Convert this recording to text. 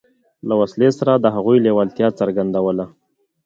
له وسلې سره د هغوی لېوالتیا څرګندوله.